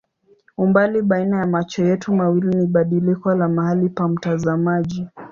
Umbali baina ya macho yetu mawili ni badiliko la mahali pa mtazamaji.